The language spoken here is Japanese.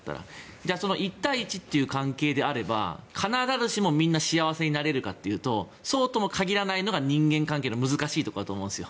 じゃあその１対１という関係であれば必ずしもみんな幸せになれるかというとそうとも限らないのが人間関係の難しいところだと思うんですよ。